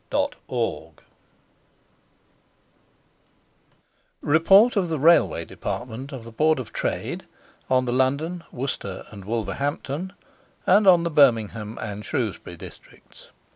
REPORT of the RAILWAY DEPARTMENT of the BOARD of TRADE on the London, Worcester, and Wolverhampton, and on the Birmingham and Shrewsbury Districts.